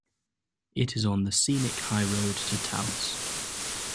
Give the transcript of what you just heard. It is on the scenic High Road to Taos.